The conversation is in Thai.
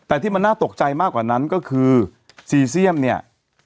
แต่ที่มันน่าตกใจมากกว่านั้นก็คือซีเซียมเนี่ย